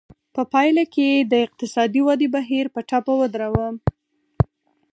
په پایله کې د اقتصادي ودې بهیر په ټپه ودراوه.